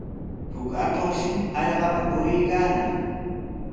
Huk atuqshi hallqapa puriykaanaq.